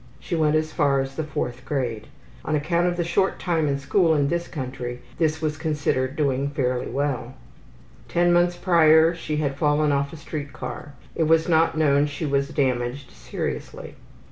She went as far as the 4th grade. On account of the short time in school in this country this was considered doing fairly well. Ten months prior she had fallen off a street car; it was not known she was damaged seriously.